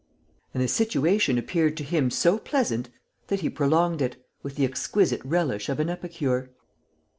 And the situation appeared to him so pleasant that he prolonged it, with the exquisite relish of an epicure.